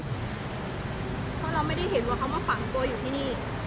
เพราะเราไม่ได้เห็นว่าเขามาฝังตัวอยู่ที่นี่